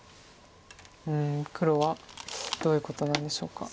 黒はどういうことなんでしょうか。